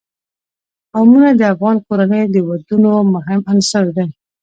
قومونه د افغان کورنیو د دودونو مهم عنصر دی.